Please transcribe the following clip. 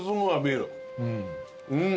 うん。